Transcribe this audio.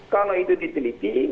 kalau itu diteliti